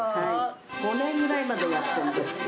５年ぐらいまでやってんですよ。